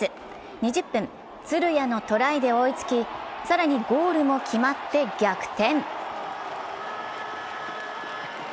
２０分、鶴谷のトライで追いつき更にゴールも決まって逆転。